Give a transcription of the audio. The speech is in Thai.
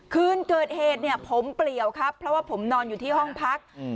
คืนเกิดเหตุเนี่ยผมเปลี่ยวครับเพราะว่าผมนอนอยู่ที่ห้องพัก